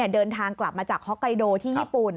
เดินทางกลับมาจากฮอกไกโดที่ญี่ปุ่น